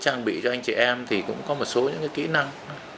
trang bị cho anh chị em thì cũng có một số những kỹ năng